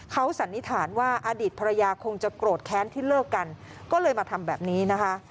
เขาสันนิษฐานว่าอดีตภรรยาคงจะโกรธแค้นที่เลิกกันก็เลยมาทำแบบนี้นะคะ